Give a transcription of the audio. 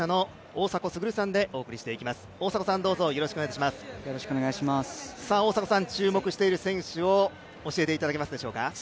大迫さん、注目している選手を教えていただけますでしょうか。